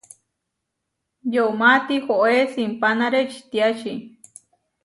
Yomá tihoé simpanáre ečitiáči.